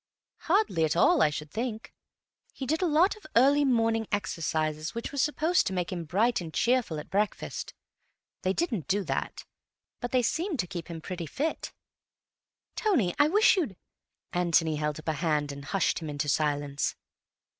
"Hardly at all, I should think. He did a lot of early morning exercises which were supposed to make him bright and cheerful at breakfast. They didn't do that, but they seemed to keep him pretty fit. Tony, I wish you'd—" Antony held up a hand and hushed him into silence.